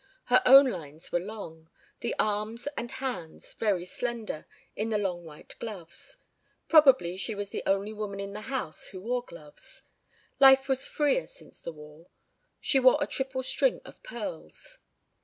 Her own lines were long, the arms and hands very slender in the long white gloves. Probably she was the only woman in the house who wore gloves. Life was freer since the war. She wore a triple string of pearls.